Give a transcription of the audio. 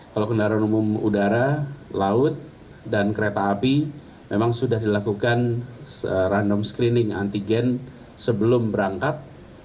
kalau kendaraan umum udara laut dan kereta api memang sudah dilakukan random screening antigen sebelum berangkat